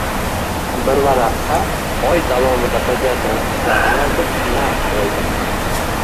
Bir varaqqa oy davomida bajargan ishlarini yozib narx qoʻydi.